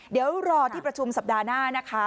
เดี๋ยวรอที่ประชุมสัปดาห์หน้านะคะ